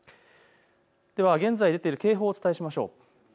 では現在、出ている警報をお伝えしましょう。